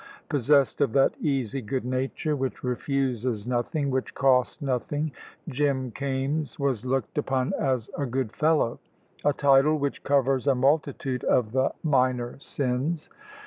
Possessed of that easy good nature which refuses nothing, which costs nothing, Jim Kaimes was looked upon as "a good fellow," a title which covers a multitude of the minor sins.